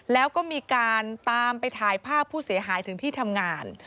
แล้วก็มีการตามไปถ่ายภาพผู้เสียหายถึงที่ทำงาน